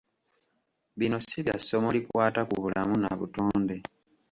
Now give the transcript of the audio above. Bino si bya ssomo likwata ku bulamu na butonde.